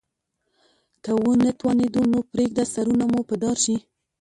که ونه توانیدو نو پریږده سرونه مو په دار شي.